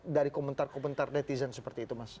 dari komentar komentar netizen seperti itu mas